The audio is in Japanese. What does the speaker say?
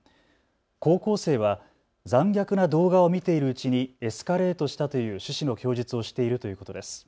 高校生は残虐な動画を見ているうちにエスカレートしたという趣旨の供述をしているということです。